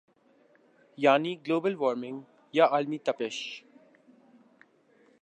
یعنی global warming یا عالمی تپش